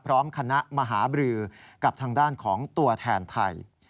พร้อมคณะมหาบรือกับทางด้านของตัวแทนไทย